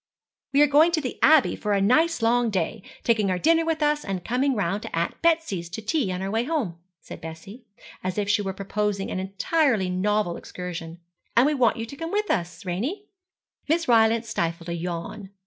'We are going to the Abbey for a nice long day, taking our dinner with us, and coming round to Aunt Betsy's to tea on our way home,' said Bessie, as if she were proposing an entirely novel excursion; 'and we want you to come with us, Ranie.' Miss Rylance stifled a yawn.